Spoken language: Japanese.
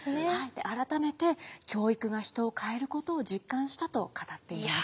改めて教育が人を変えることを実感したと語っています。